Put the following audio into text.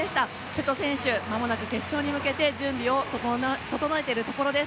瀬戸選手、まもなく決勝に向けて準備を整えているところです。